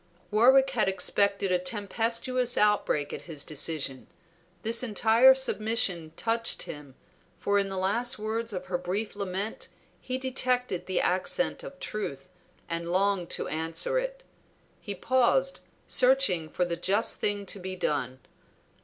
Warwick had expected a tempestuous outbreak at his decision; this entire submission touched him, for in the last words of her brief lament he detected the accent of truth, and longed to answer it. He paused, searching for the just thing to be done.